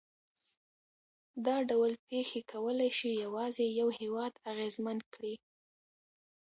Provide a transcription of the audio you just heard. دا ډول پېښې کولای شي یوازې یو هېواد اغېزمن کړي.